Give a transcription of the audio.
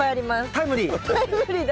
タイムリーで。